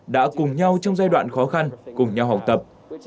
đã cùng nhau trong giai đoạn khó khăn cùng nhau học tập